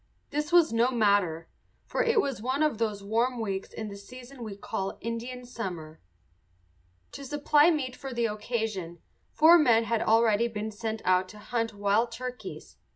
This was no matter, for it was one of those warm weeks in the season we call Indian summer. To supply meat for the occasion four men had already been sent out to hunt wild turkeys.